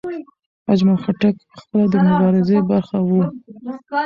اجمل خټک پخپله د مبارزې برخه و.